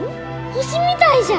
星みたいじゃ！